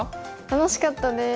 楽しかったです。